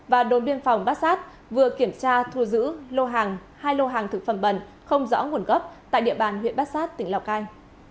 và đồn biên phòng bát sát vừa kiểm tra thu giữ lô hàng hai lô hàng thực phẩm bẩn không rõ nguồn gốc tại địa bàn huyện bát sát tỉnh lào cai